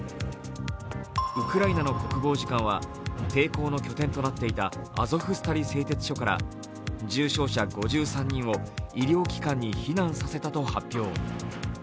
ウクライナの国防次官は抵抗の拠点となっていたアゾフスタリ製鉄所から重傷者５３人を医療機関に避難させたと発表。